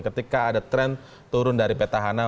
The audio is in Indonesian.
ketika ada tren turun dari peta hana